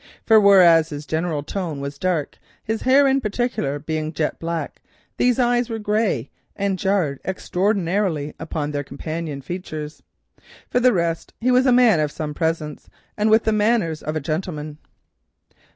For whereas his general tone was dark, his hair in particular being jet black, these eyes were grey, and jarred extraordinarily upon their companion features. For the rest, he was a man of some presence, and with the manners of a gentleman.